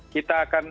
kita akan cari